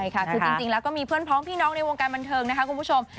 ใช่ค่ะคือจริงแล้วก็มีเพื่อนพ้องพี่น้องในวงการบันเทิงนะคะคุณผู้ชม